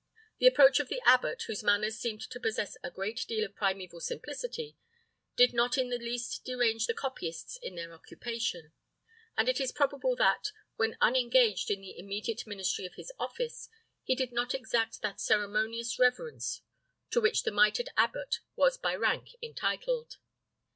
The approach of the abbot, whose manners seemed to possess a great deal of primeval simplicity, did not in the least derange the copyists in their occupation; and it is probable that, when unengaged in the immediate ministry of his office, he did not exact that ceremonious reverence to which the mitred abbot was by rank entitled.